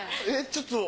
えっ！？